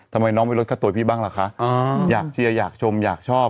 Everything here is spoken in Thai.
ทำไมน้องไม่ลดค่าตัวพี่บ้างล่ะคะอยากเชียร์อยากชมอยากชอบ